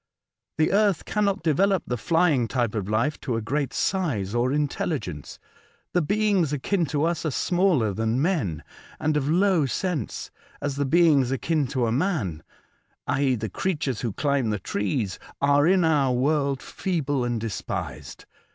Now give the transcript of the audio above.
The earth cannot develope the flying type of life to a great size or intelligence. The beings akin to us are smaller than men, and of low sense; as the beings akin to man {i.e. the creatures who climb the trees) are in our world feeble and despised.